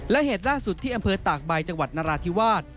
และเหตุล่าสุดที่อำเภอตากใบจังหวัดนราธิวาส